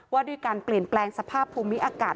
ว่าด้วยการเปลี่ยนแปลงสภาพภูมิอากาศ